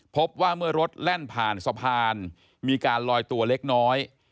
พบว่าเมื่อรถแล่นผ่านสะพานมีการลอยตัวเล็กน้อย